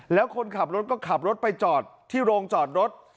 แล้วคนขับรถก็ขับรถไปจอดที่โรงจอดรถ